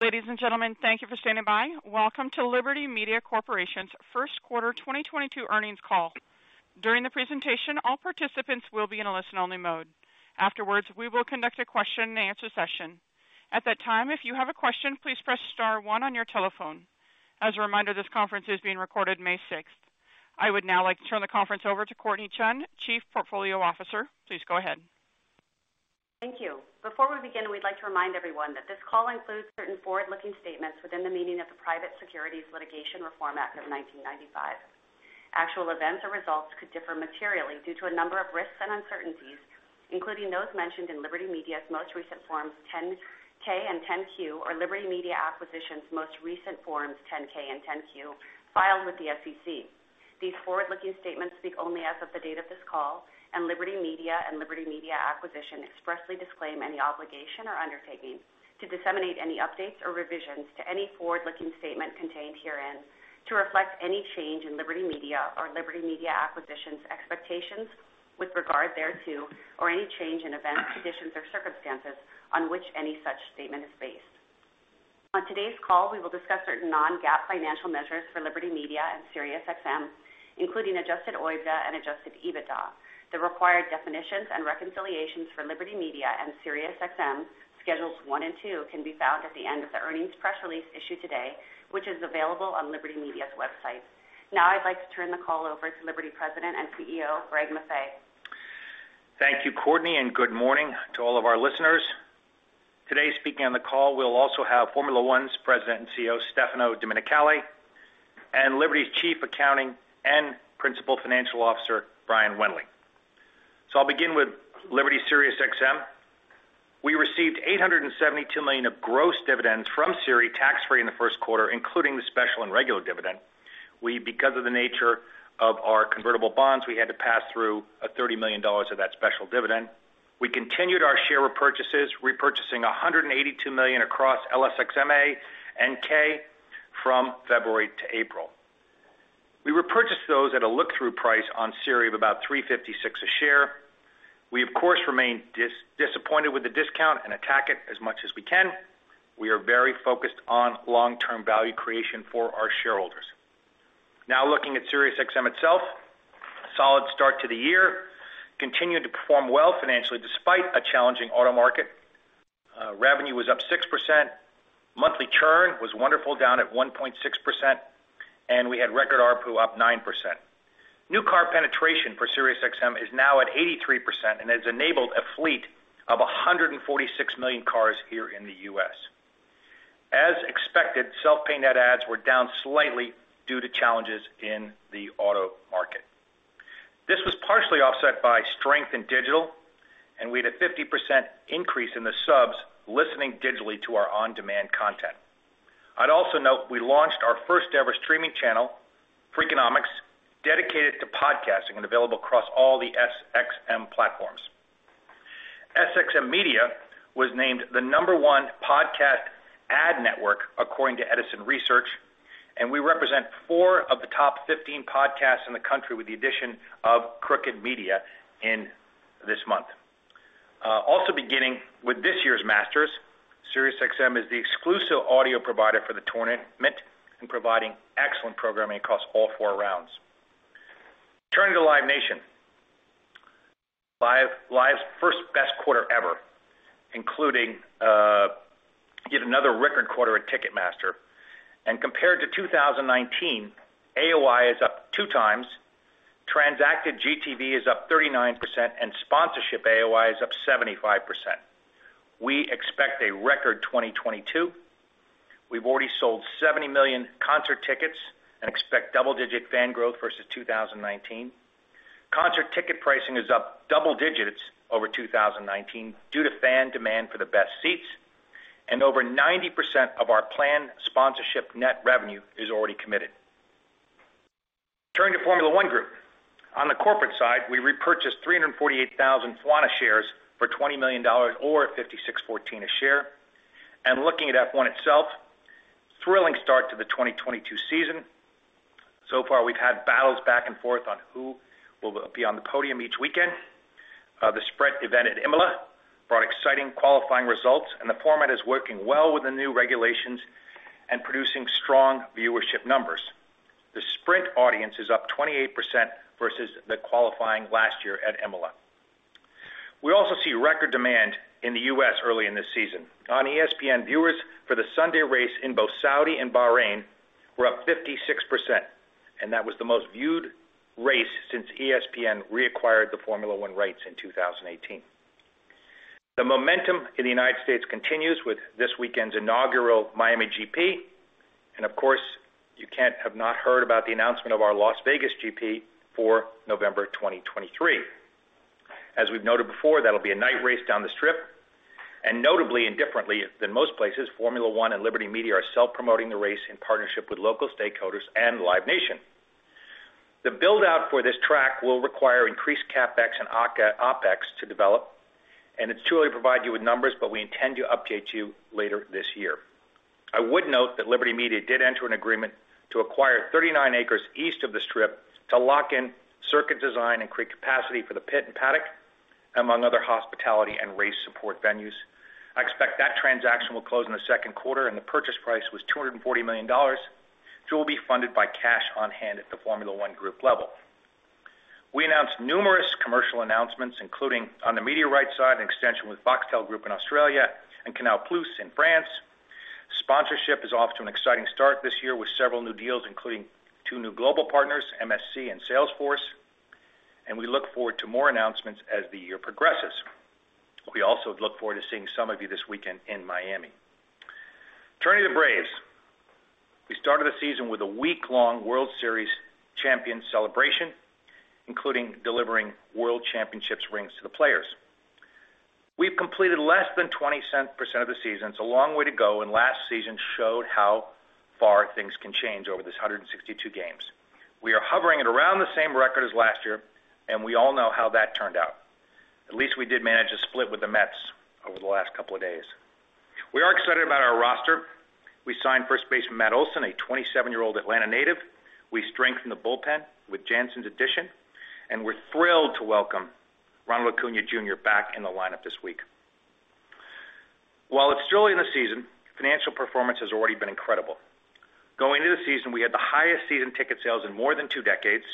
Ladies and gentlemen, thank you for standing by. Welcome to Liberty Media Corporation's first quarter 2022 earnings call. During the presentation, all participants will be in a listen-only mode. Afterwards, we will conduct a question-and-answer session. At that time, if you have a question, please press star one on your telephone. As a reminder, this conference is being recorded May sixth. I would now like to turn the conference over to Courtnee Chun, Chief Portfolio Officer. Please go ahead. Thank you. Before we begin, we'd like to remind everyone that this call includes certain forward-looking statements within the meaning of the Private Securities Litigation Reform Act of 1995. Actual events or results could differ materially due to a number of risks and uncertainties, including those mentioned in Liberty Media's most recent Forms 10-K and 10-Q, or Liberty Media Acquisition Corporation's most recent Forms 10-K and 10-Q, filed with the SEC. These forward-looking statements speak only as of the date of this call, and Liberty Media and Liberty Media Acquisition Corporation expressly disclaim any obligation or undertaking to disseminate any updates or revisions to any forward-looking statement contained herein to reflect any change in Liberty Media or Liberty Media Acquisition Corporation's expectations with regard thereto or any change in events, conditions, or circumstances on which any such statement is based. On today's call, we will discuss certain non-GAAP financial measures for Liberty Media and SiriusXM, including adjusted OIBDA and adjusted EBITDA. The required definitions and reconciliations for Liberty Media and SiriusXM, schedules one and two, can be found at the end of the earnings press release issued today, which is available on Liberty Media's website. Now I'd like to turn the call over to Liberty President and CEO, Greg Maffei. Thank you, Courtnee, and good morning to all of our listeners. Today, speaking on the call, we'll also have Formula One's President and CEO, Stefano Domenicali, and Liberty's Chief Accounting and Principal Financial Officer, Brian Wendling. I'll begin with Liberty SiriusXM. We received $872 million of gross dividends from SIRI tax-free in the first quarter, including the special and regular dividend. We, because of the nature of our convertible bonds, had to pass through $30 million of that special dividend. We continued our share repurchases, repurchasing $182 million across LSXMA and K from February to April. We repurchased those at a look-through price on SIRI of about $356 a share. We of course remain disappointed with the discount and attack it as much as we can. We are very focused on long-term value creation for our shareholders. Now looking at SiriusXM itself, solid start to the year. Continued to perform well financially despite a challenging auto market. Revenue was up 6%. Monthly churn was wonderful, down at 1.6%, and we had record ARPU up 9%. New car penetration for SiriusXM is now at 83% and has enabled a fleet of 146 million cars here in the U.S. As expected, self-pay net adds were down slightly due to challenges in the auto market. This was partially offset by strength in digital, and we had a 50% increase in the subs listening digitally to our on-demand content. I'd also note we launched our first-ever streaming channel, Freakonomics, dedicated to podcasting and available across all the SXM platforms. SXM Media was named the number one podcast ad network according to Edison Research, and we represent four of the top 15 podcasts in the country with the addition of Crooked Media in this month. Also beginning with this year's Masters, SiriusXM is the exclusive audio provider for the tournament and providing excellent programming across all four rounds. Turning to Live Nation. Live Nation's first best quarter ever, including yet another record quarter at Ticketmaster. Compared to 2019, AOI is up two times, transacted GTV is up 39%, and sponsorship AOI is up 75%. We expect a record 2022. We've already sold 70 million concert tickets and expect double-digit fan growth versus 2019. Concert ticket pricing is up double digits over 2019 due to fan demand for the best seats, and over 90% of our planned sponsorship net revenue is already committed. Turning to Formula One Group. On the corporate side, we repurchased 348,000 FWONA shares for $20 million or $56.14 a share. Looking at F1 itself, thrilling start to the 2022 season. So far we've had battles back and forth on who will be on the podium each weekend. The Sprint event at Imola brought exciting qualifying results, and the format is working well with the new regulations and producing strong viewership numbers. The Sprint audience is up 28% versus the qualifying last year at Imola. We also see record demand in the U.S. early in this season. On ESPN, viewers for the Sunday race in both Saudi and Bahrain were up 56%, and that was the most viewed race since ESPN reacquired the Formula One rights in 2018. The momentum in the United States continues with this weekend's inaugural Miami GP. Of course, you can't have not heard about the announcement of our Las Vegas GP for November 2023. As we've noted before, that'll be a night race down the strip. Notably and differently than most places, Formula One and Liberty Media are self-promoting the race in partnership with local stakeholders and Live Nation. The build-out for this track will require increased CapEx and OpEx to develop, and it's too early to provide you with numbers, but we intend to update you later this year. I would note that Liberty Media did enter an agreement to acquire 39 acres east of the strip to lock in circuit design and create capacity for the pit and paddock, among other hospitality and race support venues. I expect that transaction will close in the second quarter, and the purchase price was $240 million, which will be funded by cash on hand at the Formula One Group level. We announced numerous commercial announcements, including on the media rights side, an extension with Foxtel Group in Australia and Canal+ in France. Sponsorship is off to an exciting start this year with several new deals, including two new global partners, MSC and Salesforce, and we look forward to more announcements as the year progresses. We also look forward to seeing some of you this weekend in Miami. Turning to Braves. We started the season with a week-long World Series champion celebration, including delivering world championships rings to the players. We've completed less than 20% of the season. It's a long way to go, and last season showed how far things can change over these 162 games. We are hovering at around the same record as last year, and we all know how that turned out. At least we did manage a split with the Mets over the last couple of days. We are excited about our roster. We signed first baseman Matt Olson, a 27-year-old Atlanta native. We strengthened the bullpen with Jansen's addition, and we're thrilled to welcome Ronald Acuña Jr. back in the lineup this week. While it's early in the season, financial performance has already been incredible. Going into the season, we had the highest season ticket sales in more than two decades.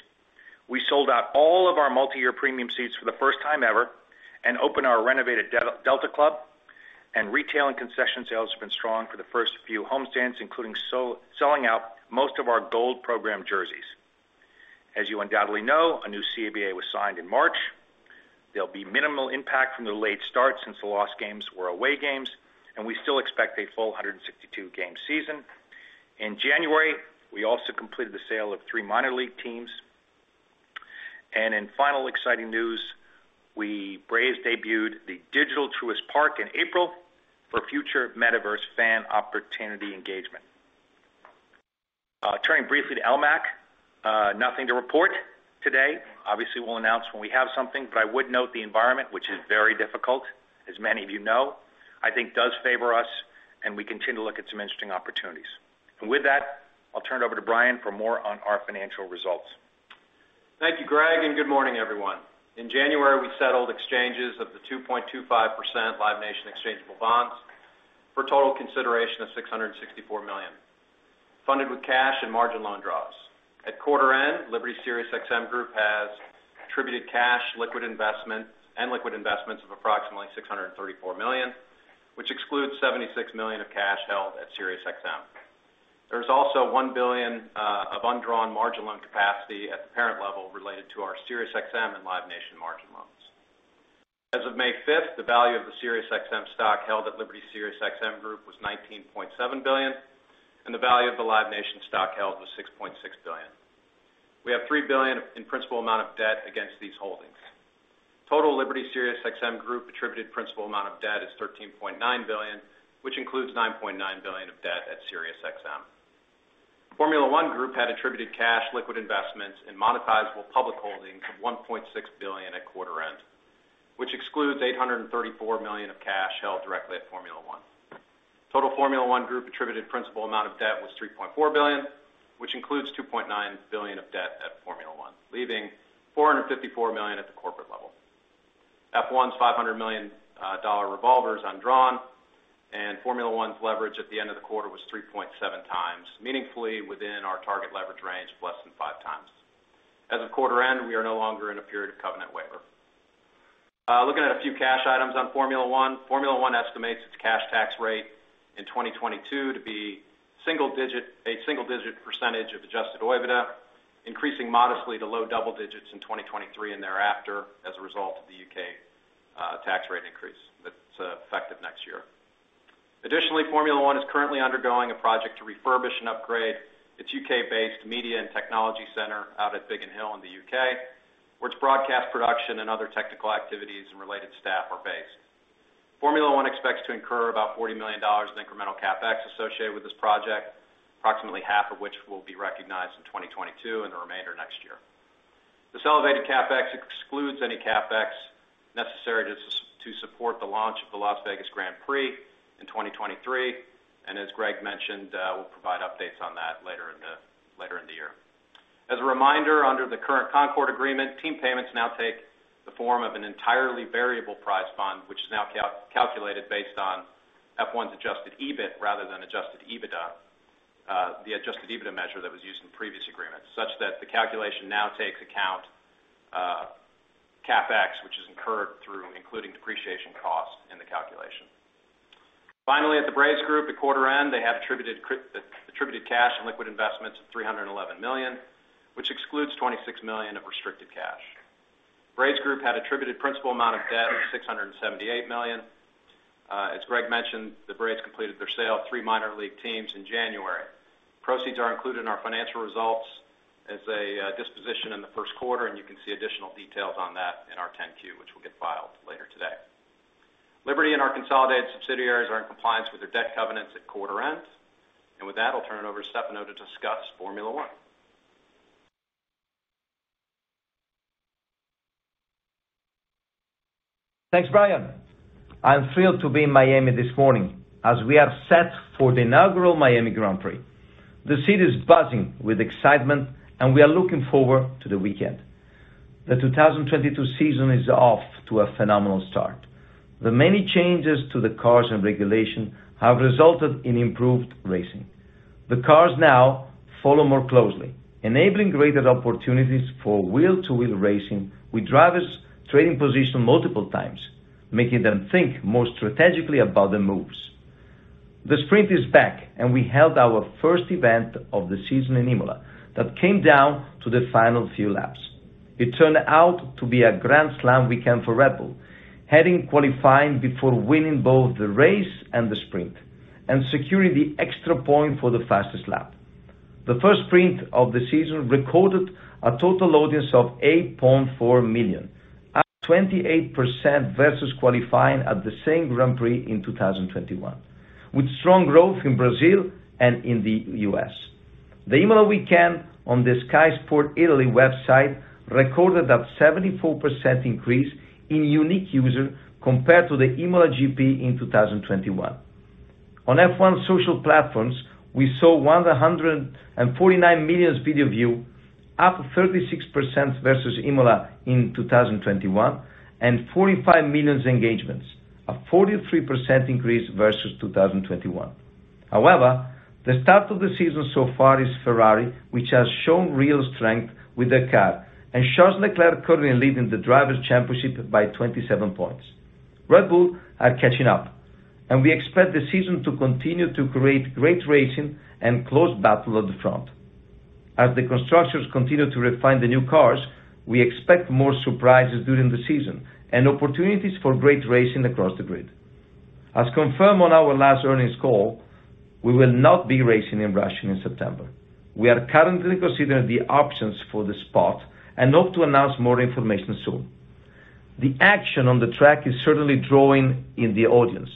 We sold out all of our multiyear premium seats for the first time ever and opened our renovated Delta Club, and retail and concession sales have been strong for the first few home stands, including selling out most of our gold program jerseys. As you undoubtedly know, a new CBA was signed in March. There'll be minimal impact from the late start since the lost games were away games, and we still expect a full 162-game season. In January, we also completed the sale of 3 minor league teams. In final exciting news, Braves debuted the digital Truist Park in April for future metaverse fan opportunity engagement. Turning briefly to LMAC, nothing to report today. Obviously, we'll announce when we have something, but I would note the environment, which is very difficult, as many of you know. I think it does favor us, and we continue to look at some interesting opportunities. With that, I'll turn it over to Brian for more on our financial results. Thank you, Greg, and good morning, everyone. In January, we settled exchanges of the 2.25% Live Nation exchangeable bonds for total consideration of $664 million, funded with cash and margin loan draws. At quarter end, Liberty SiriusXM Group has attributed cash, liquid investments of approximately $634 million, which excludes $76 million of cash held at SiriusXM. There's also $1 billion of undrawn margin loan capacity at the parent level related to our SiriusXM and Live Nation margin loans. As of May 5, the value of the SiriusXM stock held at Liberty SiriusXM Group was $19.7 billion, and the value of the Live Nation stock held was $6.6 billion. We have $3 billion in principal amount of debt against these holdings. Total Liberty SiriusXM Group attributed principal amount of debt is $13.9 billion, which includes $9.9 billion of debt at SiriusXM. Formula One Group had attributed cash, liquid investments in monetizable public holdings of $1.6 billion at quarter end, which excludes $834 million of cash held directly at Formula One. Total Formula One Group attributed principal amount of debt was $3.4 billion, which includes $2.9 billion of debt at Formula One, leaving $454 million at the corporate level. F1's $500 million dollar revolver is undrawn, and Formula One's leverage at the end of the quarter was 3.7 times, meaningfully within our target leverage range of less than 5 times. As of quarter end, we are no longer in a period of covenant waiver. Looking at a few cash items on Formula One. Formula One estimates its cash tax rate in 2022 to be single-digit percentage of adjusted OIBDA, increasing modestly to low double digits in 2023 and thereafter as a result of the U.K. tax rate increase that's effective next year. Additionally, Formula One is currently undergoing a project to refurbish and upgrade its U.K.-based media and technology center out at Biggin Hill in the U.K., where its broadcast production and other technical activities and related staff are based. Formula One expects to incur about $40 million in incremental CapEx associated with this project, approximately half of which will be recognized in 2022 and the remainder next year. This elevated CapEx excludes any CapEx necessary to support the launch of the Las Vegas Grand Prix in 2023. As Greg mentioned, we'll provide updates on that later in the year. As a reminder, under the current Concorde Agreement, team payments now take the form of an entirely variable prize fund, which is now calculated based on F1's adjusted EBIT rather than adjusted EBITDA, the adjusted EBITDA measure that was used in previous agreements, such that the calculation now takes account, CapEx, which is incurred through including depreciation costs in the calculation. Finally, at the Braves Group at quarter end, they have attributed cash and liquid investments of $311 million, which excludes $26 million of restricted cash. Braves Group had attributed principal amount of debt of $678 million. As Greg mentioned, the Braves completed their sale of 3 minor league teams in January. Proceeds are included in our financial results as a disposition in the first quarter, and you can see additional details on that in our 10-Q, which will get filed later today. Liberty and our consolidated subsidiaries are in compliance with their debt covenants at quarter end. With that, I'll turn it over to Stefano to discuss Formula One. Thanks, Brian. I'm thrilled to be in Miami this morning, as we are set for the inaugural Miami Grand Prix. The city is buzzing with excitement and we are looking forward to the weekend. The 2022 season is off to a phenomenal start. The many changes to the cars and regulation have resulted in improved racing. The cars now follow more closely, enabling greater opportunities for wheel-to-wheel racing with drivers trading position multiple times, making them think more strategically about the moves. The Sprint is back, and we held our first event of the season in Imola that came down to the final few laps. It turned out to be a grand slam weekend for Red Bull, heading qualifying before winning both the race and the Sprint, and securing the extra point for the fastest lap. The first Sprint of the season recorded a total audience of 8.4 million, 28% versus qualifying at the same Grand Prix in 2021, with strong growth in Brazil and in the US. The Imola weekend on the Sky Sport Italy website recorded a 74% increase in unique users compared to the Imola GP in 2021. On F1 social platforms, we saw 149 million video views, up 36% versus Imola in 2021, and 45 million engagements, a 43% increase versus 2021. However, the start of the season so far is Ferrari, which has shown real strength with the car, and Charles Leclerc currently leading the Drivers' Championship by 27 points. Red Bull are catching up, and we expect the season to continue to create great racing and close battle at the front. As the constructors continue to refine the new cars, we expect more surprises during the season and opportunities for great racing across the grid. As confirmed on our last earnings call, we will not be racing in Russia in September. We are currently considering the options for the spot and hope to announce more information soon. The action on the track is certainly drawing in the audience.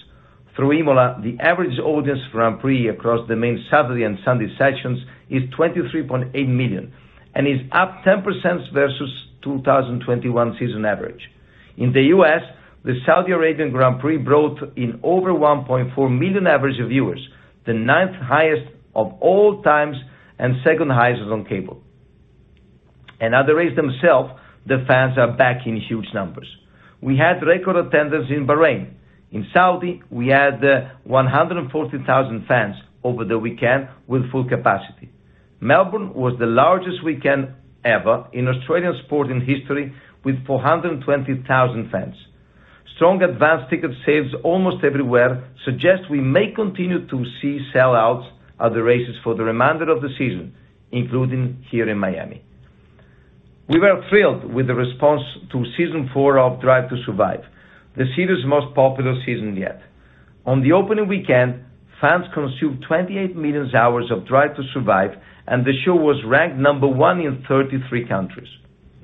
Through Imola, the average audience Grand Prix across the main Saturday and Sunday sessions is 23.8 million, and is up 10% versus 2021 season average. In the US, the Saudi Arabian Grand Prix brought in over 1.4 million average viewers, the 9th highest of all time and 2nd highest on cable. At the races themselves, the fans are back in huge numbers. We had record attendance in Bahrain. In Saudi, we had 140,000 fans over the weekend with full capacity. Melbourne was the largest weekend ever in Australian sporting history with 420,000 fans. Strong advanced ticket sales almost everywhere suggest we may continue to see sellouts at the races for the remainder of the season, including here in Miami. We were thrilled with the response to season four of Drive to Survive, the series' most popular season yet. On the opening weekend, fans consumed 28 million hours of Drive to Survive, and the show was ranked number one in 33 countries.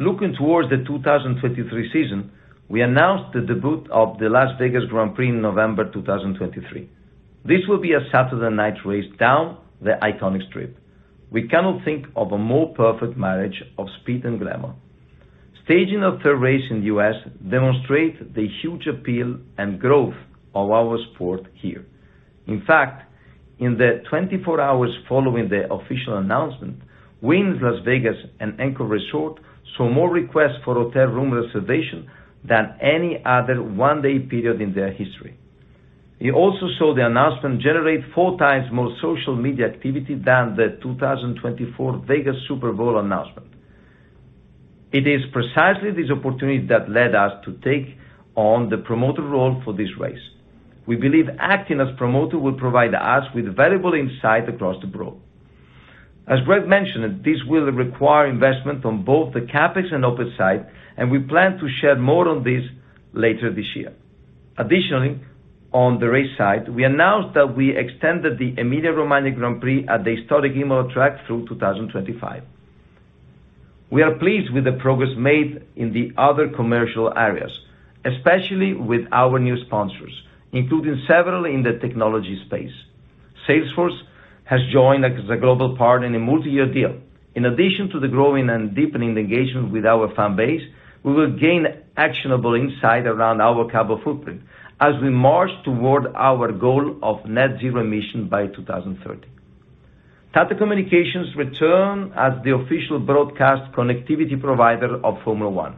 Looking towards the 2023 season, we announced the debut of the Las Vegas Grand Prix in November 2023. This will be a Saturday night race down the iconic strip. We cannot think of a more perfect marriage of speed and glamour. Staging a third race in the U.S. demonstrate the huge appeal and growth of our sport here. In fact, in the 24 hours following the official announcement, Wynn Las Vegas and Encore Las Vegas saw more requests for hotel room reservation than any other one-day period in their history. We also saw the announcement generate four times more social media activity than the 2024 Vegas Super Bowl announcement. It is precisely this opportunity that led us to take on the promoter role for this race. We believe acting as promoter will provide us with valuable insight across the board. As Greg mentioned, this will require investment on both the CapEx and OpEx side, and we plan to share more on this later this year. Additionally, on the race side, we announced that we extended the Emilia-Romagna Grand Prix at the historic Imola track through 2025. We are pleased with the progress made in the other commercial areas, especially with our new sponsors, including several in the technology space. Salesforce has joined as a global partner in a multi-year deal. In addition to the growing and deepening engagement with our fan base, we will gain actionable insight around our carbon footprint as we march toward our goal of net zero emission by 2030. Tata Communications returns as the official broadcast connectivity provider of Formula One.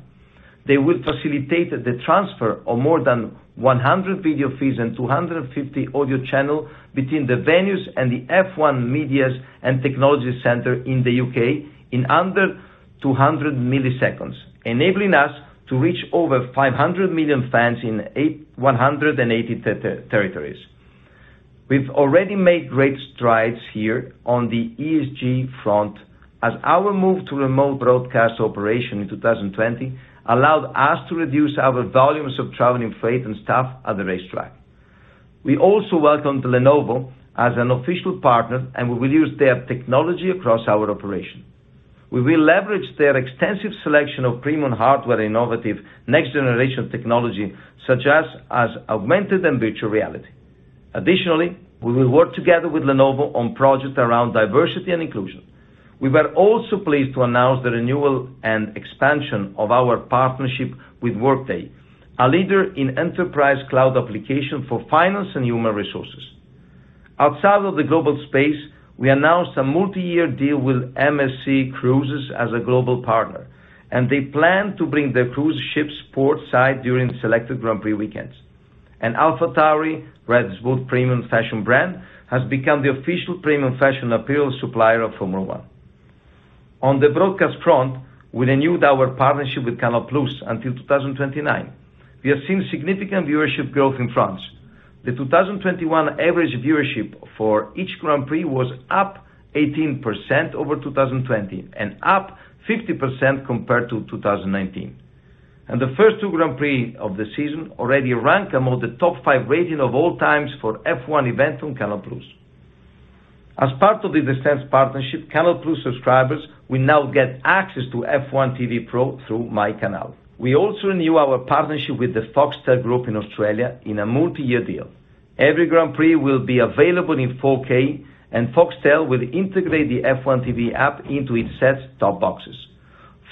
They will facilitate the transfer of more than 100 video feeds and 250 audio channels between the venues and the F1 Media and Technology Centre in the UK in under 200 milliseconds, enabling us to reach over 500 million fans in 180 territories. We've already made great strides here on the ESG front as our move to remote broadcast operation in 2020 allowed us to reduce our volumes of traveling freight and staff at the racetrack. We also welcomed Lenovo as an official partner, and we will use their technology across our operation. We will leverage their extensive selection of premium hardware innovative next generation technology, such as augmented and virtual reality. Additionally, we will work together with Lenovo on projects around diversity and inclusion. We were also pleased to announce the renewal and expansion of our partnership with Workday, a leader in enterprise cloud application for finance and human resources. Outside of the global space, we announced a multi-year deal with MSC Cruises as a global partner, and they plan to bring their cruise ships port side during selected Grand Prix weekends. AlphaTauri, Red Bull's premium fashion brand, has become the official premium fashion apparel supplier of Formula One. On the broadcast front, we renewed our partnership with Canal+ until 2029. We have seen significant viewership growth in France. The 2021 average viewership for each Grand Prix was up 18% over 2020, and up 50% compared to 2019. The first two Grand Prix of the season already rank among the top five ratings of all time for F1 events on Canal+. As part of the distribution partnership, Canal+ subscribers will now get access to F1 TV Pro through myCANAL. We also renew our partnership with the Foxtel Group in Australia in a multi-year deal. Every Grand Prix will be available in 4K, and Foxtel will integrate the F1 TV app into its set-top boxes.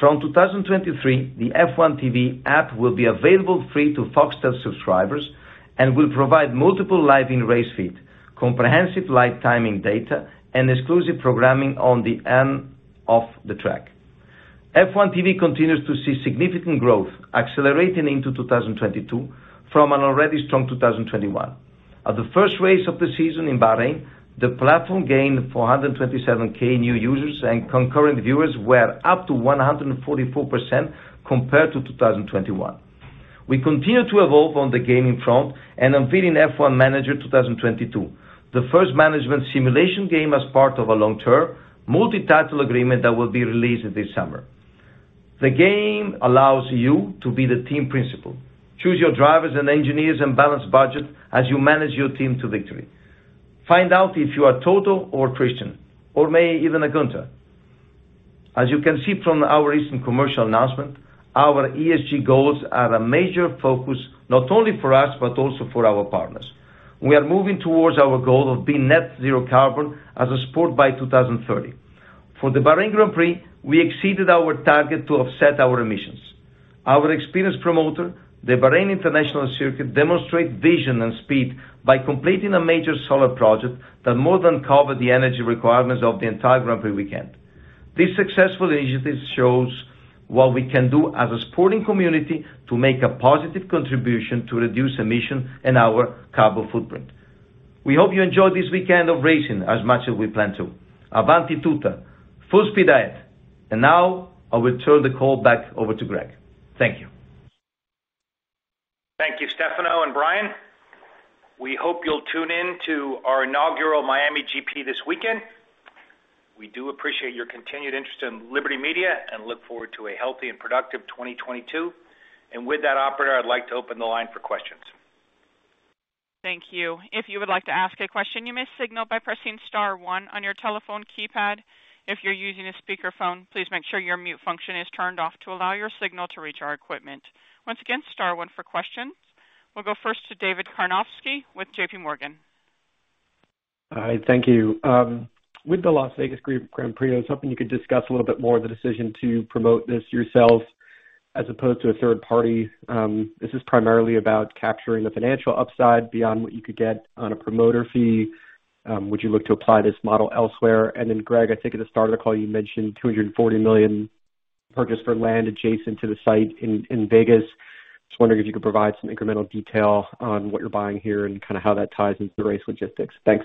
From 2023, the F1 TV app will be available free to Foxtel subscribers and will provide multiple live in-race feeds, comprehensive live timing data, and exclusive programming on and off the track. F1 TV continues to see significant growth accelerating into 2022 from an already strong 2021. At the first race of the season in Bahrain, the platform gained 427k new users and concurrent viewers were up 144% compared to 2021. We continue to evolve on the gaming front and unveiling F1 Manager 2022, the first management simulation game as part of a long-term multi-title agreement that will be released this summer. The game allows you to be the team principal. Choose your drivers and engineers and balance budget as you manage your team to victory. Find out if you are Toto or Christian, or maybe even a Guenther. As you can see from our recent commercial announcement, our ESG goals are a major focus, not only for us, but also for our partners. We are moving towards our goal of being net zero carbon as a sport by 2030. For the Bahrain Grand Prix, we exceeded our target to offset our emissions. Our experienced promoter, the Bahrain International Circuit, demonstrate vision and speed by completing a major solar project that more than covered the energy requirements of the entire Grand Prix weekend. This successful initiative shows what we can do as a sporting community to make a positive contribution to reduce emission and our carbon footprint. We hope you enjoy this weekend of racing as much as we plan to. Avanti tutta. Full speed ahead. Now I will turn the call back over to Greg. Thank you. Thank you, Stefano and Brian. We hope you'll tune in to our inaugural Miami GP this weekend. We do appreciate your continued interest in Liberty Media and look forward to a healthy and productive 2022. With that, operator, I'd like to open the line for questions. Thank you. If you would like to ask a question, you may signal by pressing star one on your telephone keypad. If you're using a speakerphone, please make sure your mute function is turned off to allow your signal to reach our equipment. Once again, star one for questions. We'll go first to David Karnovsky with JPMorgan. Hi. Thank you. With the Las Vegas Grand Prix, I was hoping you could discuss a little bit more the decision to promote this yourself as opposed to a third party. This is primarily about capturing the financial upside beyond what you could get on a promoter fee. Would you look to apply this model elsewhere? Then Greg, I think at the start of the call, you mentioned $240 million purchase for land adjacent to the site in Vegas. Just wondering if you could provide some incremental detail on what you're buying here and kinda how that ties into the race logistics. Thanks.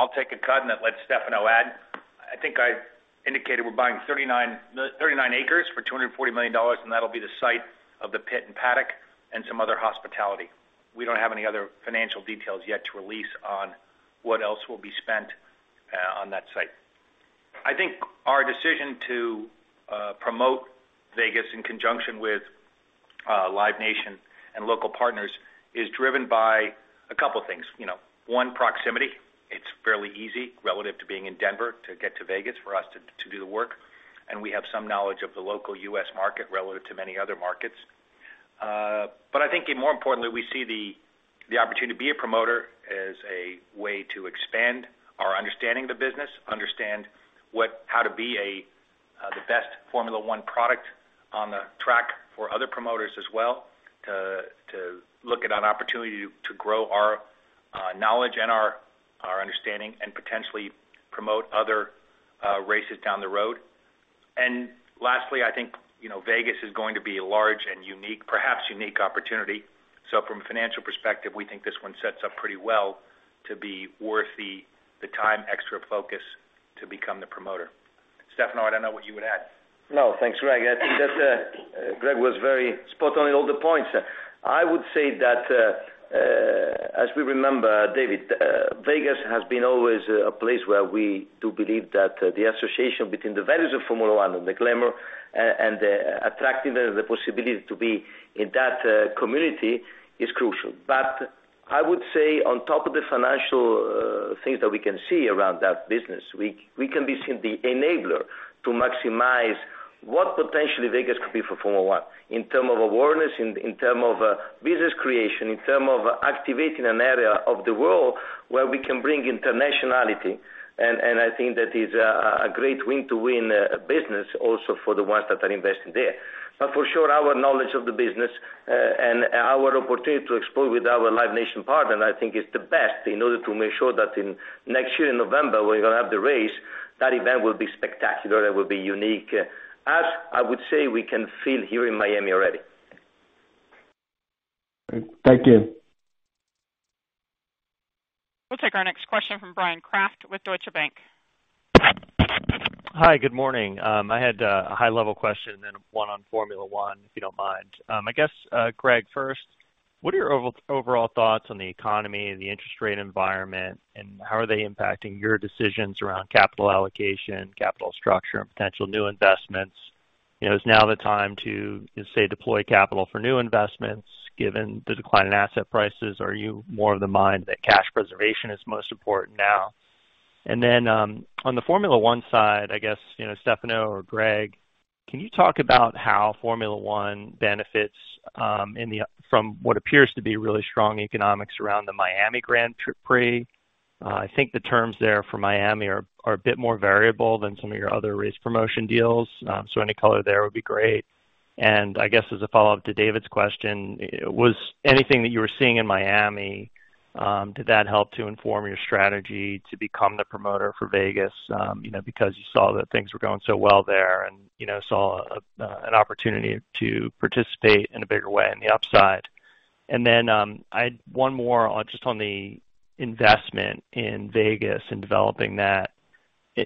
I'll take a cut and then let Stefano add. I think I indicated we're buying 39 acres for $240 million, and that'll be the site of the pit and paddock and some other hospitality. We don't have any other financial details yet to release on what else will be spent on that site. I think our decision to promote Vegas in conjunction with Live Nation and local partners is driven by a couple things. You know, one, proximity. It's fairly easy relative to being in Denver to get to Vegas for us to do the work, and we have some knowledge of the local US market relative to many other markets. I think more importantly, we see the opportunity to be a promoter as a way to expand our understanding of the business, understand how to be the best Formula One product on the track for other promoters as well, to look at an opportunity to grow our knowledge and our understanding, and potentially promote other races down the road. Lastly, I think, you know, Vegas is going to be a large and unique, perhaps unique opportunity. From a financial perspective, we think this one sets up pretty well to be worth the time, extra focus to become the promoter. Stefano, I don't know what you would add. No. Thanks, Greg. I think that Greg was very spot on in all the points. I would say that as we remember, David, Vegas has been always a place where we do believe that the association between the values of Formula One and the glamour and the attractiveness, the possibility to be in that community is crucial. I would say on top of the financial things that we can see around that business, we can see the enabler to maximize what potentially Vegas could be for Formula One in terms of awareness, in terms of business creation, in terms of activating an area of the world where we can bring internationality. I think that is a great win-win business also for the ones that are investing there. For sure, our knowledge of the business and our opportunity to explore with our Live Nation partner, and I think it's the best in order to make sure that in next year in November, we're gonna have the race. That event will be spectacular, that will be unique, as I would say we can feel here in Miami already. Great. Thank you. We'll take our next question from Bryan Kraft with Deutsche Bank. Hi, good morning. I had a high-level question then one on Formula One, if you don't mind. I guess, Greg, first, what are your overall thoughts on the economy and the interest rate environment, and how are they impacting your decisions around capital allocation, capital structure, and potential new investments? You know, is now the time to, say, deploy capital for new investments given the decline in asset prices? Are you more of the mind that cash preservation is most important now? On the Formula One side, I guess, you know, Stefano or Greg, can you talk about how Formula One benefits from what appears to be really strong economics around the Miami Grand Prix? I think the terms there for Miami are a bit more variable than some of your other race promotion deals. Any color there would be great. I guess as a follow-up to David's question, was anything that you were seeing in Miami, did that help to inform your strategy to become the promoter for Vegas, you know, because you saw that things were going so well there and, you know, saw an opportunity to participate in a bigger way on the upside? I had one more on just on the investment in Vegas and developing that.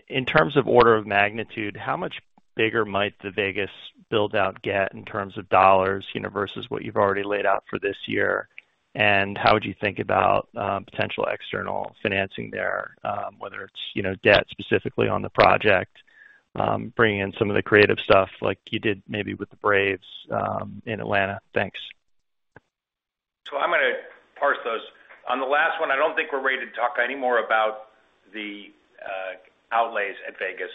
In terms of order of magnitude, how much bigger might the Vegas build-out get in terms of dollars, you know, versus what you've already laid out for this year? How would you think about potential external financing there, whether it's, you know, debt specifically on the project, bringing in some of the creative stuff like you did maybe with the Braves, in Atlanta? Thanks. I'm gonna parse these. On the last one, I don't think we're ready to talk any more about the outlays at Vegas.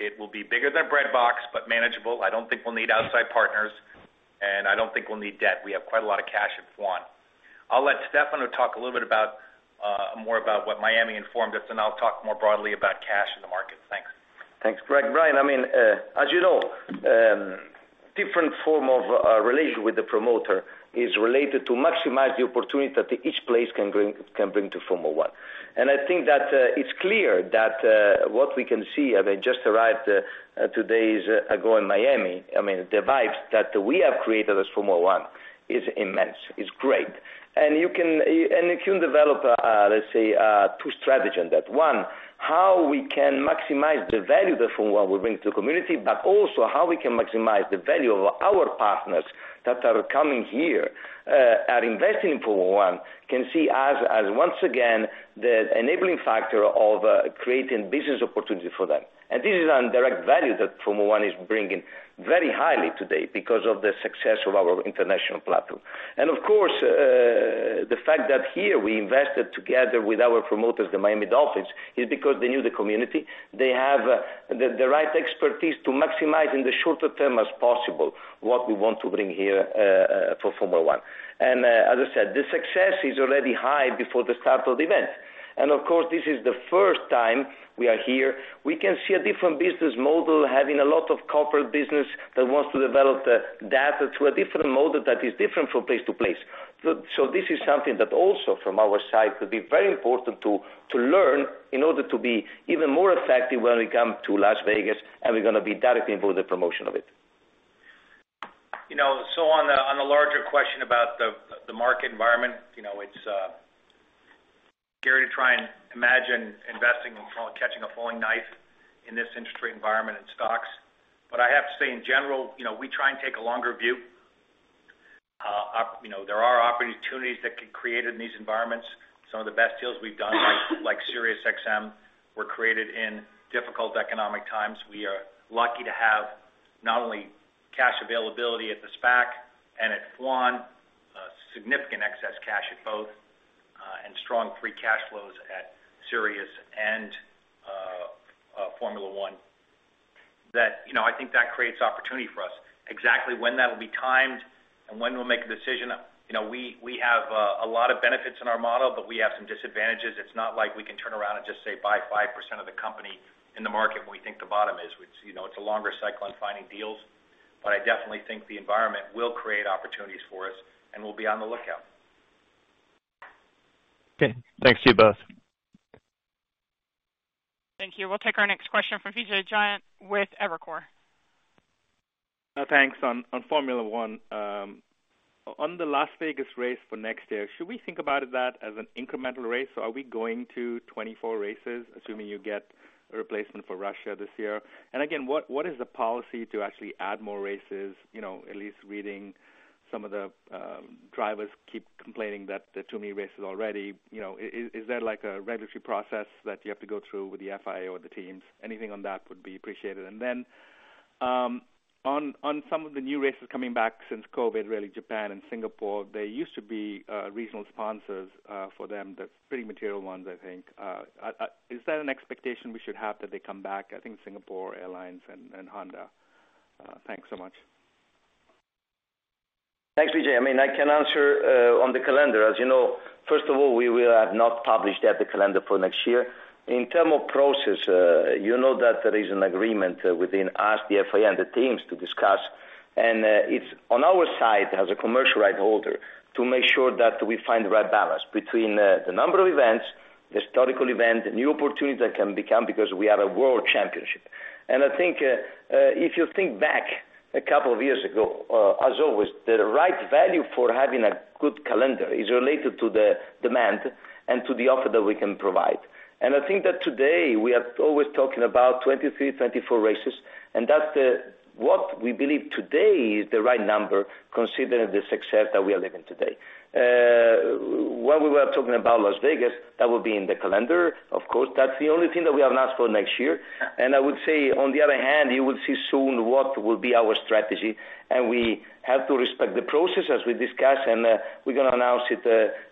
It will be bigger than Bread Box, but manageable. I don't think we'll need outside partners, and I don't think we'll need debt. We have quite a lot of cash at FWON. I'll let Stefano talk a little bit about more about what Miami informed us, and I'll talk more broadly about cash in the market. Thanks. Thanks, Greg. Bryan, I mean, as you know, different form of relation with the promoter is related to maximize the opportunity that each place can bring to Formula One. I think that it's clear that what we can see, I mean, just arrived two days ago in Miami. I mean, the vibes that we have created as Formula One is immense, is great. You can develop, let's say, two strategy on that. One, how we can maximize the value that Formula One will bring to the community, but also how we can maximize the value of our partners that are coming here, are investing in Formula One, can see us as once again, the enabling factor of creating business opportunity for them. This is on direct value that Formula One is bringing very highly today because of the success of our international platform. Of course, the fact that here we invested together with our promoters, the Miami Dolphins, is because they knew the community. They have the right expertise to maximize in the shorter term as possible what we want to bring here, for Formula One. As I said, the success is already high before the start of the event. Of course, this is the first time we are here. We can see a different business model having a lot of corporate business that wants to develop the data to a different model that is different from place to place. This is something that also from our side could be very important to learn in order to be even more effective when we come to Las Vegas, and we're gonna be directly involved in the promotion of it. You know, on the larger question about the market environment, you know, it's scary to try and imagine investing and catching a falling knife in this interest rate environment in stocks. I have to say in general, you know, we try and take a longer view. You know, there are opportunities that get created in these environments. Some of the best deals we've done, like SiriusXM, were created in difficult economic times. We are lucky to have not only cash availability at the SPAC and at FWON, significant excess cash at both, and strong free cash flows at SiriusXM and Formula One, that you know, I think that creates opportunity for us. Exactly when that will be timed and when we'll make a decision, you know, we have a lot of benefits in our model, but we have some disadvantages. It's not like we can turn around and just say, buy 5% of the company in the market when we think the bottom is. It's, you know, it's a longer cycle on finding deals. I definitely think the environment will create opportunities for us, and we'll be on the lookout. Okay. Thanks to you both. Thank you. We'll take our next question from Vijay Jayant with Evercore. Thanks. On Formula One, on the Las Vegas race for next year, should we think about that as an incremental race? Are we going to 24 races, assuming you get a replacement for Russia this year? Again, what is the policy to actually add more races? You know, at least reading some of the drivers keep complaining that there are too many races already. You know, is there like a regulatory process that you have to go through with the FIA or the teams? Anything on that would be appreciated. Then, on some of the new races coming back since COVID, really Japan and Singapore, there used to be regional sponsors for them, the pretty material ones, I think. Is that an expectation we should have that they come back? I think Singapore Airlines and Honda. Thanks so much. Thanks, Vijay. I mean, I can answer on the calendar. As you know, first of all, we will have not published yet the calendar for next year. In terms of process, you know that there is an agreement within us, the FIA, and the teams to discuss. It's on our side as a commercial right holder to make sure that we find the right balance between the number of events, the historical event, the new opportunities that can become because we are a world championship. I think, if you think back a couple of years ago, as always, the right value for having a good calendar is related to the demand and to the offer that we can provide. I think that today we are always talking about 23, 24 races, and that's what we believe today is the right number considering the success that we are living today. When we were talking about Las Vegas, that will be in the calendar. Of course, that's the only thing that we have announced for next year. I would say, on the other hand, you will see soon what will be our strategy, and we have to respect the process as we discuss, and we're gonna announce it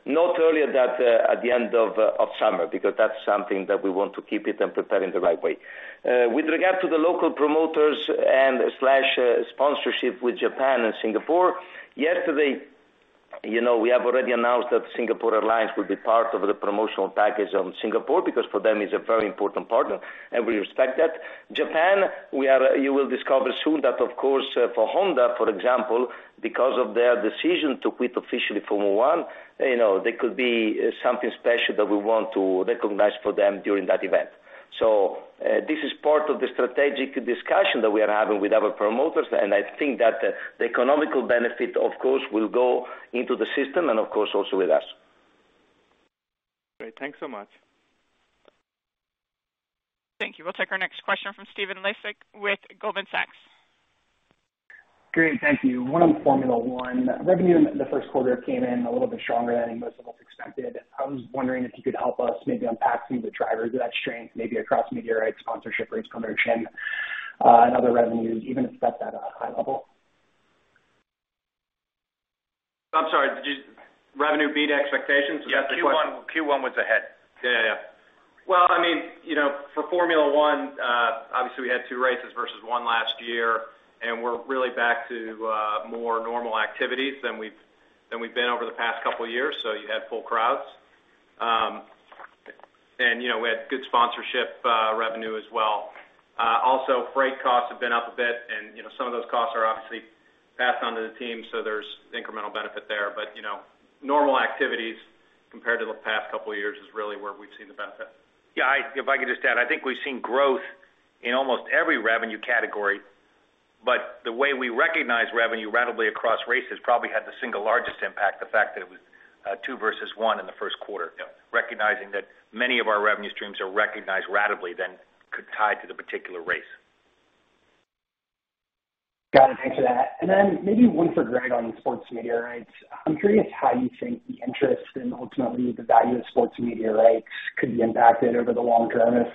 not earlier than at the end of summer, because that's something that we want to keep it and prepare in the right way. With regard to the local promoters and slash sponsorship with Japan and Singapore, yesterday, you know, we have already announced that Singapore Airlines will be part of the promotional package on Singapore, because for them is a very important partner, and we respect that. Japan, you will discover soon that of course for Honda, for example, because of their decision to quit officially Formula One, you know, there could be something special that we want to recognize for them during that event. This is part of the strategic discussion that we are having with our promoters, and I think that the economic benefit, of course, will go into the system and of course also with us. Great. Thanks so much. Thank you. We'll take our next question from Stephen Laszczyk with Goldman Sachs. Great. Thank you. One on Formula One. Revenue in the first quarter came in a little bit stronger than most of us expected. I was wondering if you could help us maybe unpack some of the drivers of that strength, maybe across media rights, sponsorship, race promotion, and other revenues, even if that's at a high level. I'm sorry. Revenue beat expectations? Is that the question? Yeah. Q1 was ahead. Well, I mean, you know, for Formula One, obviously we had two races versus one last year, and we're really back to more normal activities than we've been over the past couple of years, so you had full crowds. You know, we had good sponsorship revenue as well. Also, freight costs have been up a bit, and you know, some of those costs are obviously passed on to the team, so there's incremental benefit there. Normal activities compared to the past couple of years is really where we've seen the benefit. Yeah, if I could just add, I think we've seen growth in almost every revenue category, but the way we recognize revenue ratably across races probably had the single largest impact, the fact that it was 2 versus 1 in the first quarter. Yeah. Recognizing that many of our revenue streams are recognized ratably, then could tie to the particular race. Got it. Thanks for that. Maybe one for Greg on sports media rights. I'm curious how you think the interest and ultimately the value of sports media rights could be impacted over the long term if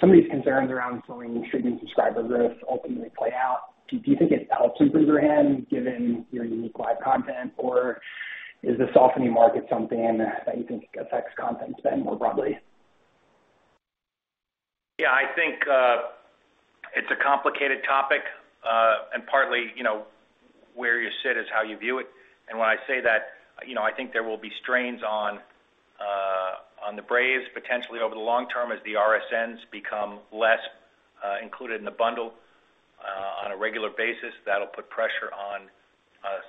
some of these concerns around slowing streaming subscriber lifts ultimately play out? Do you think it's outsized given your unique live content, or is the softening market something that you think affects content spend more broadly? Yeah, I think it's a complicated topic, and partly, you know, where you sit is how you view it. When I say that, you know, I think there will be strains on the Braves potentially over the long term as the RSNs become less included in the bundle on a regular basis. That'll put pressure on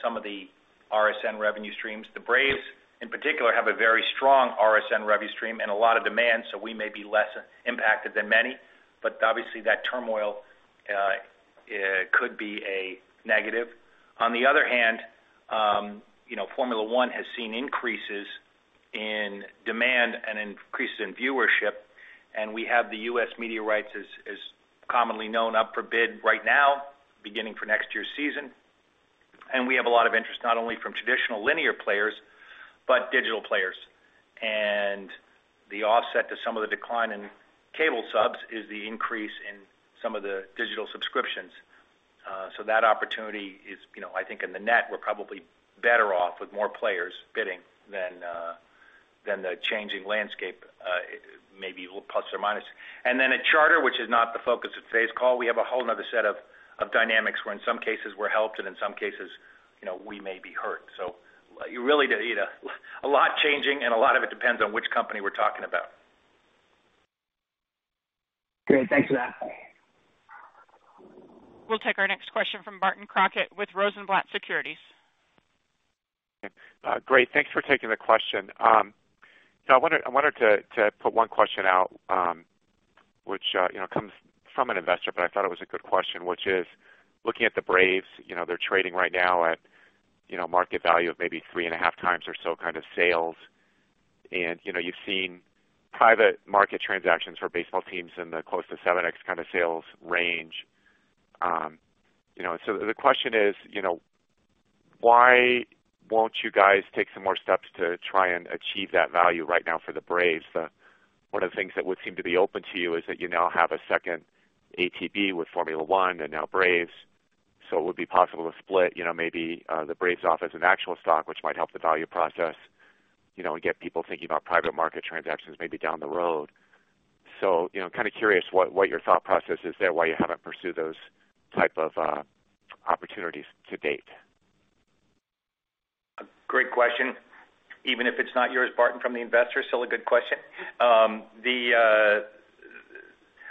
some of the RSN revenue streams. The Braves, in particular, have a very strong RSN revenue stream and a lot of demand, so we may be less impacted than many, but obviously that turmoil could be a negative. On the other hand, you know, Formula One has seen increases in demand and increases in viewership, and we have the U.S. media rights as commonly known up for bid right now, beginning for next year's season. We have a lot of interest, not only from traditional linear players, but digital players. The offset to some of the decline in cable subs is the increase in some of the digital subscriptions. That opportunity is, you know, I think in the net, we're probably better off with more players bidding than the changing landscape, maybe plus or minus. At Charter, which is not the focus of today's call, we have a whole another set of dynamics where in some cases we're helped, and in some cases, you know, we may be hurt. You really don't need a lot changing, and a lot of it depends on which company we're talking about. Great. Thanks for that. We'll take our next question from Barton Crockett with Rosenblatt Securities. Great. Thanks for taking the question. I wanted to put one question out, which you know comes from an investor, but I thought it was a good question, which is looking at the Braves, you know, they're trading right now at you know market value of maybe 3.5 times or so kind of sales. You know, you've seen private market transactions for baseball teams in the close to 7x kind of sales range. You know, so the question is, you know, why won't you guys take some more steps to try and achieve that value right now for the Braves? One of the things that would seem to be open to you is that you now have a second ATB with Formula One and now Braves. It would be possible to split, you know, maybe the Braves off as an actual stock, which might help the value process, you know, and get people thinking about private market transactions maybe down the road. You know, kind of curious what your thought process is there, why you haven't pursued those type of opportunities to date. A great question, even if it's not yours, Barton, from the investor, still a good question.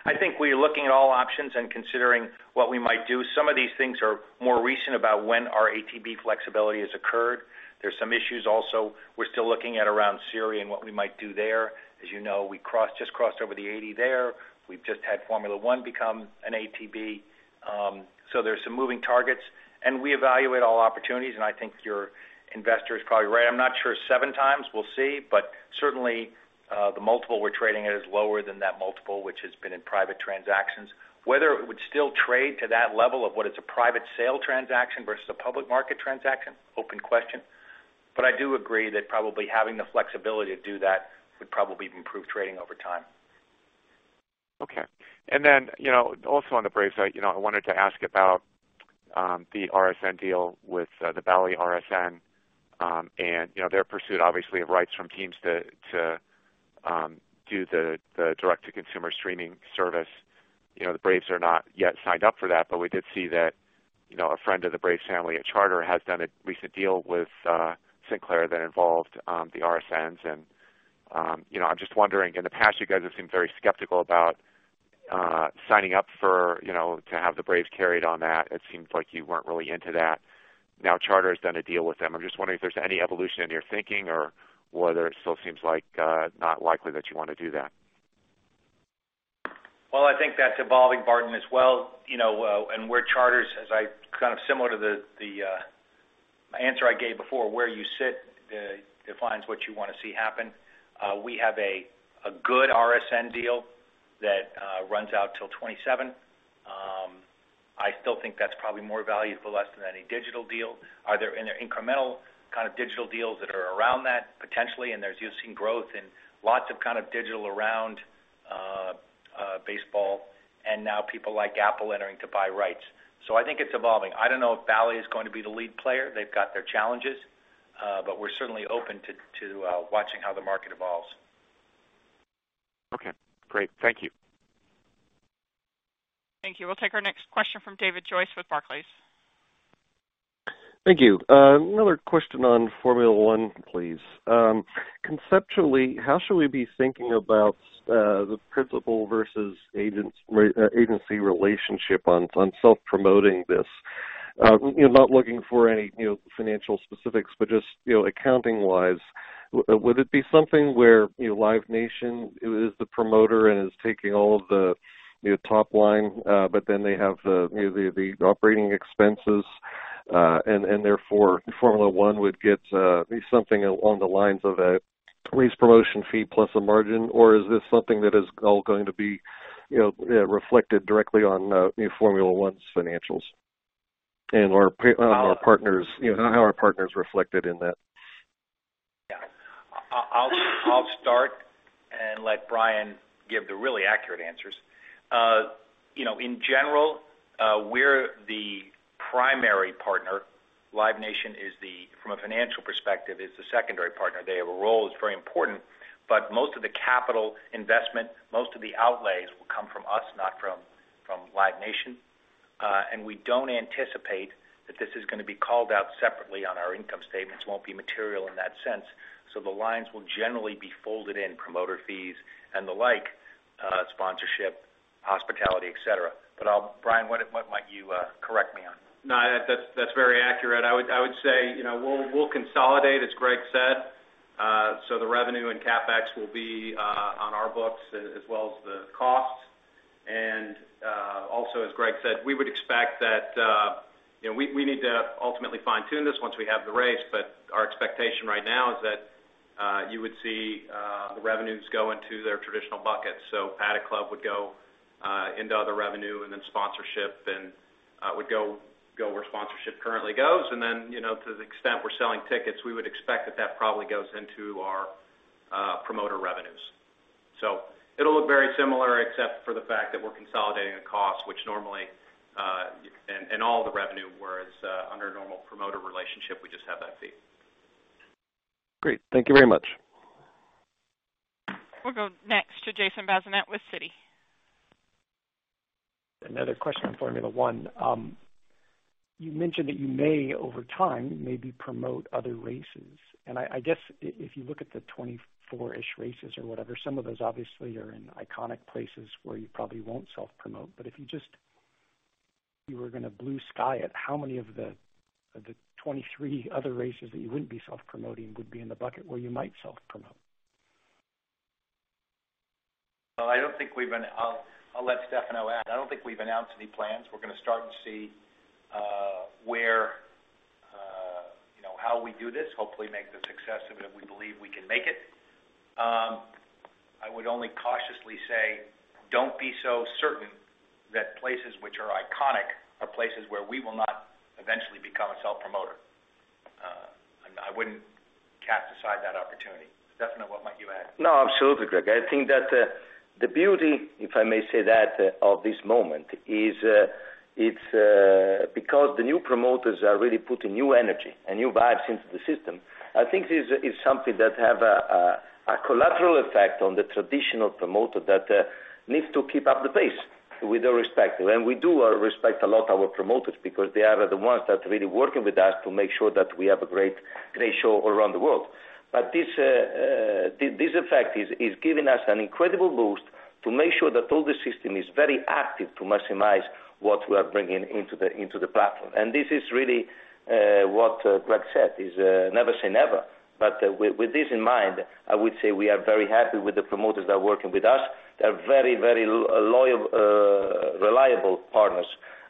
I think we're looking at all options and considering what we might do. Some of these things are more recent about when our ATB flexibility has occurred. There's some issues also. We're still looking at around SIRI and what we might do there. As you know, we just crossed over the 80 there. We've just had Formula One become an ATB. So there's some moving targets, and we evaluate all opportunities, and I think your investor is probably right. I'm not sure 7x. We'll see, but certainly, the multiple we're trading at is lower than that multiple, which has been in private transactions. Whether it would still trade to that level of what is a private sale transaction versus a public market transaction, open question. I do agree that probably having the flexibility to do that would probably improve trading over time. Okay. You know, also on the Braves site, you know, I wanted to ask about the RSN deal with the Bally RSN, and, you know, their pursuit obviously of rights from teams to do the direct-to-consumer streaming service. You know, the Braves are not yet signed up for that, but we did see that, you know, a friend of the Braves family at Charter has done a recent deal with Sinclair that involved the RSNs. You know, I'm just wondering, in the past, you guys have seemed very skeptical about signing up for, you know, to have the Braves carried on that. It seems like you weren't really into that. Now, Charter has done a deal with them. I'm just wondering if there's any evolution in your thinking or whether it still seems like not likely that you wanna do that. Well, I think that's evolving, Barton, as well, you know, and where Charter sits kind of similar to the answer I gave before, where you sit defines what you wanna see happen. We have a good RSN deal that runs out till 2027. I still think that's probably more valuable, less than any digital deal. There are incremental kind of digital deals that are around that potentially, and there's, you've seen growth in lots of kind of digital around baseball, and now people like Apple entering to buy rights. I think it's evolving. I don't know if Bally is going to be the lead player. They've got their challenges, but we're certainly open to watching how the market evolves. Okay, great. Thank you. Thank you. We'll take our next question from David Joyce with Barclays. Thank you. Another question on Formula One, please. Conceptually, how should we be thinking about the principal versus agents agency relationship on self-promoting this? You know, not looking for any, you know, financial specifics, but just, you know, accounting-wise, would it be something where, you know, Live Nation is the promoter and is taking all of the, you know, top line, but then they have the, you know, the operating expenses, and therefore, Formula One would get something along the lines of a race promotion fee plus a margin? Or is this something that is all going to be, you know, reflected directly on, you know, Formula One's financials? And/or partners, you know, how are partners reflected in that? Yeah. I'll start and let Brian give the really accurate answers. You know, in general, we're the primary partner. Live Nation is the, from a financial perspective, is the secondary partner. They have a role that's very important, but most of the capital investment, most of the outlays will come from us, not from Live Nation. And we don't anticipate that this is gonna be called out separately on our income statements, won't be material in that sense. The lines will generally be folded in promoter fees and the like, sponsorship, hospitality, et cetera. Brian, what might you correct me on? No, that's very accurate. I would say, you know, we'll consolidate, as Greg said. So the revenue and CapEx will be on our books as well as the costs. Also, as Greg said, we would expect that, you know, we need to ultimately fine-tune this once we have the race, but our expectation right now is that you would see the revenues go into their traditional buckets. So Paddock Club would go into other revenue, and then sponsorship and would go where sponsorship currently goes. Then, you know, to the extent we're selling tickets, we would expect that probably goes into our promoter revenues. It'll look very similar except for the fact that we're consolidating a cost which normally, and all the revenue, whereas, under a normal promoter relationship, we just have that fee. Great. Thank you very much. We'll go next to Jason Bazinet with Citi. Another question on Formula One. You mentioned that you may over time maybe promote other races. I guess if you look at the 24-ish races or whatever, some of those obviously are in iconic places where you probably won't self-promote. If you were gonna blue sky it, how many of the 23 other races that you wouldn't be self-promoting would be in the bucket where you might self-promote? Well, I'll let Stefano add. I don't think we've announced any plans. We're gonna start and see where, you know, how we do this, hopefully make the success of it we believe we can make it. I would only cautiously say, don't be so certain that places which are iconic are places where we will not eventually No, absolutely, Greg. I think that the beauty, if I may say that, of this moment is it's because the new promoters are really putting new energy and new vibes into the system. I think this is something that have a collateral effect on the traditional promoter that needs to keep up the pace with the respect. We do respect a lot our promoters because they are the ones that are really working with us to make sure that we have a great show around the world. This effect is giving us an incredible boost to make sure that all the system is very active to maximize what we are bringing into the platform. This is really what Greg said, is never say never. With this in mind, I would say we are very happy with the promoters that are working with us. They're very, very loyal, reliable partners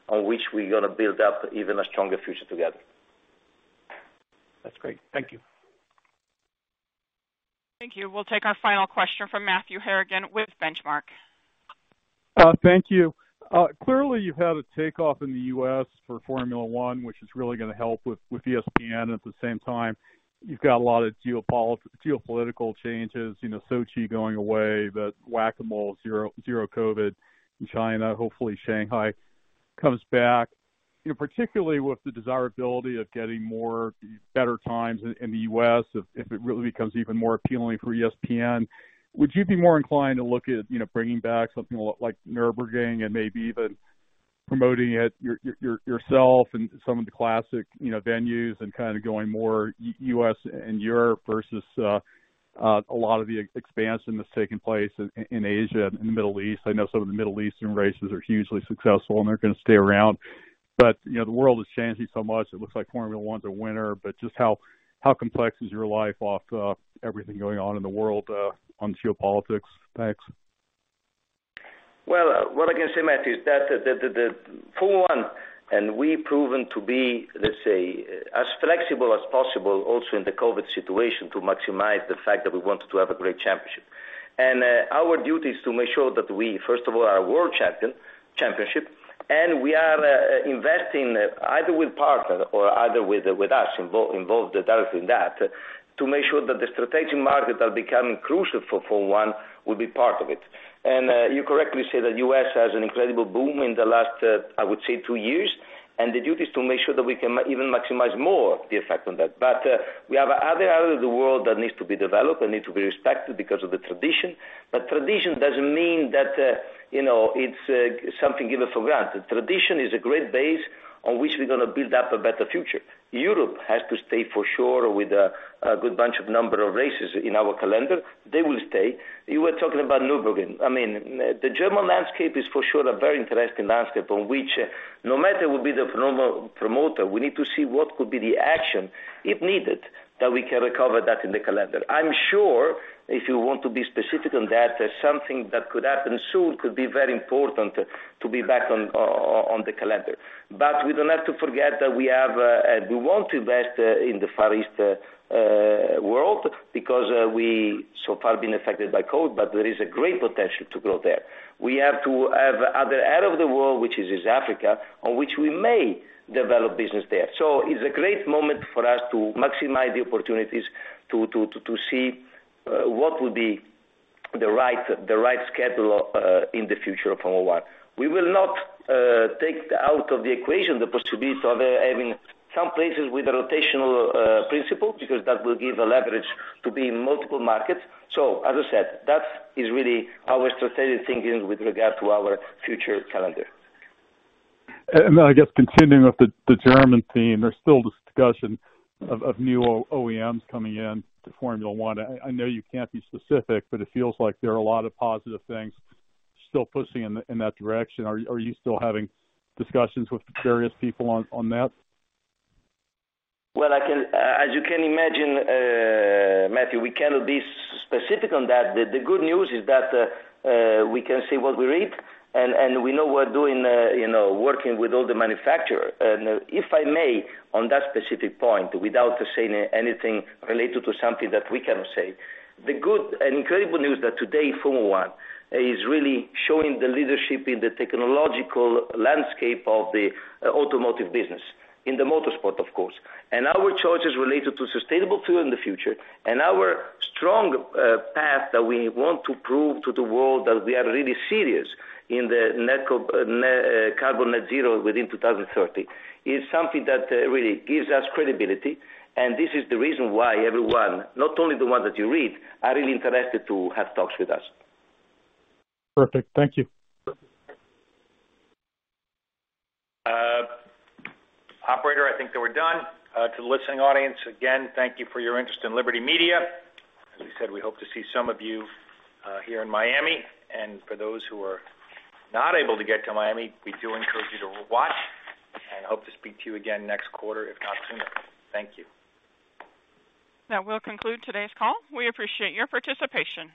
on which we're gonna build up even a stronger future together. That's great. Thank you. Thank you. We'll take our final question from Matthew Harrigan with Benchmark. Thank you. Clearly, you've had a takeoff in the US for Formula One, which is really gonna help with ESPN. At the same time, you've got a lot of geopolitical changes, you know, Sochi going away, the whack-a-mole zero-COVID in China. Hopefully, Shanghai comes back. You know, particularly with the desirability of getting more, better times in the US, if it really becomes even more appealing for ESPN, would you be more inclined to look at, you know, bringing back something like Nürburgring and maybe even promoting it yourself and some of the classic venues and kinda going more US and Europe versus a lot of the expansion that's taking place in Asia and the Middle East? I know some of the Middle Eastern races are hugely successful, and they're gonna stay around. You know, the world is changing so much. It looks like Formula One's a winner. Just how complex is your life of everything going on in the world on geopolitics? Thanks. Well, what I can say, Matthew, is that the Formula One and we proven to be, let's say, as flexible as possible also in the COVID situation to maximize the fact that we wanted to have a great championship. Our duty is to make sure that we, first of all, are world championship, and we are investing either with partner or either with us involved directly in that, to make sure that the strategic market that become crucial for Formula One will be part of it. You correctly say that U.S. has an incredible boom in the last, I would say two years. The duty is to make sure that we can even maximize more the effect on that. We have other areas of the world that needs to be developed and need to be respected because of the tradition. Tradition doesn't mean that, you know, it's something given for granted. Tradition is a great base on which we're gonna build up a better future. Europe has to stay for sure with a good bunch of number of races in our calendar. They will stay. You were talking about Nürburgring. I mean, the German landscape is for sure a very interesting landscape on which no matter will be the promoter, we need to see what could be the action, if needed, that we can recover that in the calendar. I'm sure if you want to be specific on that, something that could happen soon could be very important to be back on the calendar. We don't have to forget that we have we want to invest in the Far East world because we so far been affected by COVID, but there is a great potential to grow there. We have to have other area of the world, which is Africa, on which we may develop business there. It's a great moment for us to maximize the opportunities to see what will be the right schedule in the future of Formula One. We will not take out of the equation the possibility of having some places with a rotational principle because that will give a leverage to be in multiple markets. As I said, that is really our strategic thinking with regard to our future calendar. I guess continuing with the German theme, there's still discussion of new OEMs coming in to Formula One. I know you can't be specific, but it feels like there are a lot of positive things still pushing in that direction. Are you still having discussions with various people on that? Well, as you can imagine, Matthew, we cannot be specific on that. The good news is that we can say what we read and we know we're doing, you know, working with all the manufacturer. If I may, on that specific point, without saying anything related to something that we cannot say, the good and incredible news that today Formula One is really showing the leadership in the technological landscape of the automotive business, in the motorsport, of course. Our choices related to sustainable fuel in the future and our strong path that we want to prove to the world that we are really serious in the Net Zero Carbon within 2030 is something that really gives us credibility. This is the reason why everyone, not only the ones that you read, are really interested to have talks with us. Perfect. Thank you. Operator, I think that we're done. To the listening audience, again, thank you for your interest in Liberty Media. As we said, we hope to see some of you here in Miami. For those who are not able to get to Miami, we do encourage you to watch, and hope to speak to you again next quarter, if not sooner. Thank you. That will conclude today's call. We appreciate your participation.